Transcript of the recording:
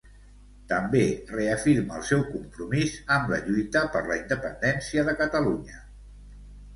També reafirma el seu compromís amb la lluita per la independència de Catalunya.